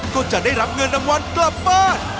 ก็จะได้รับเงินรางวัลกลับบ้าน